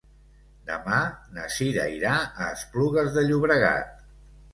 Demà na Cira irà a Esplugues de Llobregat.